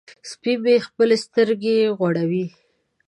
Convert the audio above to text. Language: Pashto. سپی مې خپلې سترګې غړوي.